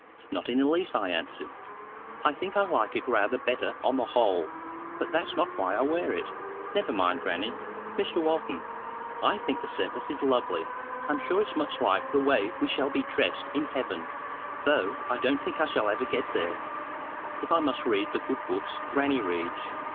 "Not in the least," I answered. "I think I like it rather better on the whole. But that's not why I wear it." "Never mind grannie, Mr. Walton. I think the surplice is lovely. I'm sure it's much liker the way we shall be dressed in heaven, though I don't think I shall ever get there, if I must read the good books grannie reads."